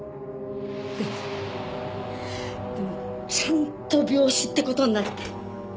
でもでもちゃんと病死って事になって。